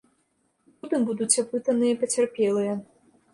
Потым будуць апытаныя пацярпелыя.